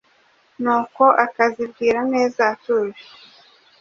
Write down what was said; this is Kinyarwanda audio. nuko akazibwira neza atuje